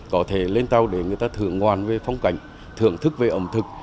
có thể lên tàu để người ta thưởng ngoan về phong cảnh thưởng thức về ẩm thực